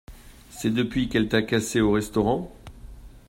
C'est depuis qu'elle t'a cassé au restaurant?